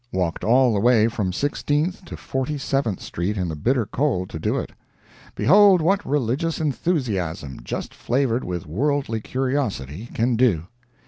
Walked all the way from Sixteenth to Forty seventh street in the bitter cold to do it. Behold what religious enthusiasm, just flavored with worldly curiosity, can do!